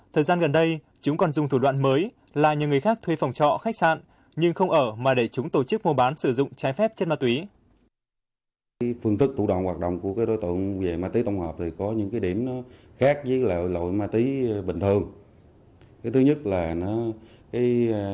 thời gian gần đây chúng còn dùng thủ đoạn mới là nhờ người khác thuê phòng trọ khách sạn nhưng không ở mà để chúng tổ chức mua bán sử dụng trái phép chất ma túy